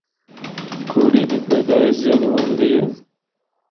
کڑی دی پیدائش جدوں ہوندی اے۔